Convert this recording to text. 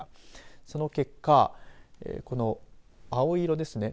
その結果、この青色ですね。